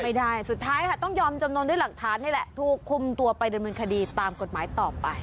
สุดท้ายค่ะต้องยอมจำนวนด้วยหลักฐานนี่แหละถูกคุมตัวไปดำเนินคดีตามกฎหมายต่อไป